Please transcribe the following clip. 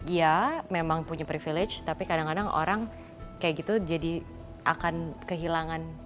ya memang punya privilege tapi kadang kadang orang kayak gitu jadi akan kehilangan